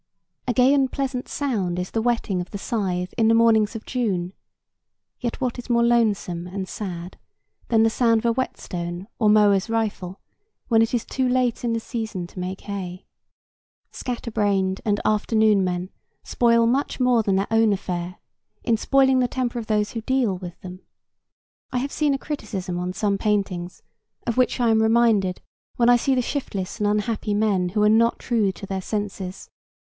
A gay and pleasant sound is the whetting of the scythe in the mornings of June, yet what is more lonesome and sad than the sound of a whetstone or mower's rifle when it is too late in the season to make hay? Scatter brained and "afternoon" men spoil much more than their own affair in spoiling the temper of those who deal with them. I have seen a criticism on some paintings, of which I am reminded when I see the shiftless and unhappy men who are not true to their senses.